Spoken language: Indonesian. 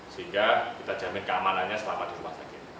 sehingga kita jamin keamanannya selama dihubungkan